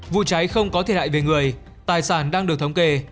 vụ cháy không có thiệt hại về người tài sản đang được thống kê